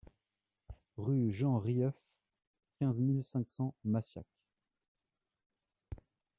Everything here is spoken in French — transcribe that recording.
Rue Jean Rieuf, quinze mille cinq cents Massiac